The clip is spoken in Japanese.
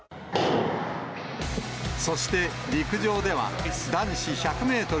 そして、陸上では男子１００メートル